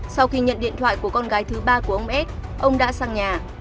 sau khi nhận điện thoại của con gái thứ ba của ông s ông đã sang nhà